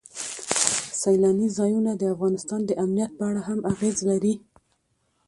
سیلانی ځایونه د افغانستان د امنیت په اړه هم اغېز لري.